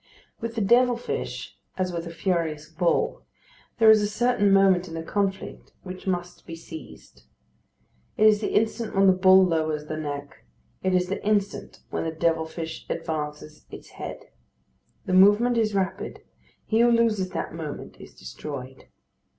With the devil fish, as with a furious bull, there is a certain moment in the conflict which must be seized. It is the instant when the bull lowers the neck; it is the instant when the devil fish advances its head. The movement is rapid. He who loses that moment is destroyed.